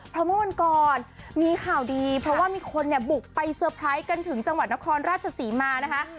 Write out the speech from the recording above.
เพราะเมื่อวันก่อนมีข่าวดีเพราะว่ามีคนเนี่ยบุกไปเตอร์ไพรส์กันถึงจังหวัดนครราชศรีมานะคะ